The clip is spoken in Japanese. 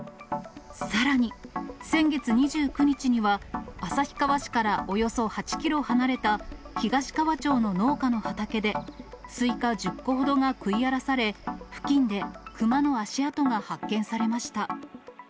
さらに、先月２９日には、旭川市からおよそ８キロ離れた東川町の農家の畑で、スイカ１０個ほどが食い荒らされ、付近でクマの足跡が発見されました。